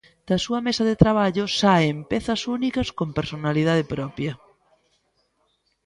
Da súa mesa de traballo saen pezas únicas con personalidade propia.